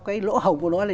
cái lỗ hồng của nó là